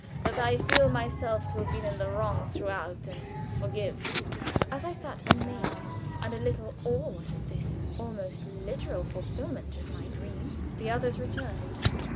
"That I feel myself to have been in the wrong throughout and forgive." As I sat, amazed and a little awed at this almost literal fulfillment of my dream, the others returned.